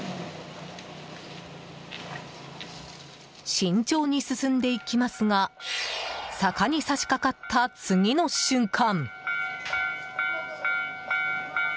慎重に進んでいきますが坂に差しかかった次の瞬間。